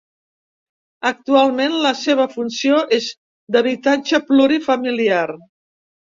Actualment la seva funció és d'habitatge plurifamiliar.